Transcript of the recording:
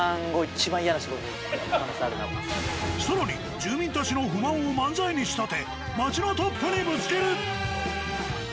更に住民たちの不満を漫才に仕立て町のトップにぶつける！